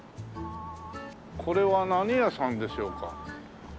これは何屋さんでしょうか？